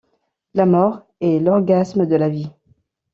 La mort est l'orgasme de la vie!